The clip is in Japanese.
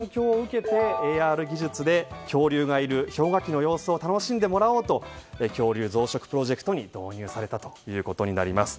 この反響を受けてＡＲ技術で恐竜がいる様子を楽しんでもらおうと恐竜増殖プロジェクトに導入されたということです。